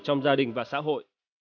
trong gia đình và xã hội